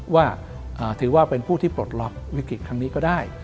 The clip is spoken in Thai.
ว่าถือว่าเป็นผู้ที่ปลดล็อกวิกฤตครั้งนี้ก็ได้